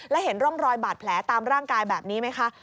แล้วเห็นร่องรอยบาดแผลตามร่างกายแบบนี้ไหมคะ